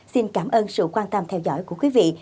xin cảm ơn sự quan tâm theo dõi của quý vị